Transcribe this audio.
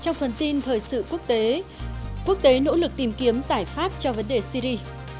trong phần tin thời sự quốc tế quốc tế nỗ lực tìm kiếm giải pháp cho vấn đề syri